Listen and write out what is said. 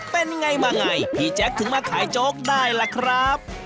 เป็นไงมาไงพี่แจ๊คถึงมาขายโจ๊กได้ล่ะครับ